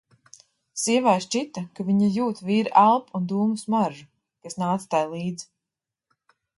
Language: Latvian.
Sievai šķita, ka viņa jūt vīra elpu un dūmu smaržu, kas nāca tai līdz.